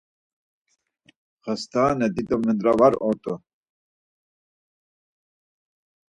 Xast̆aane dido mendra var ort̆u.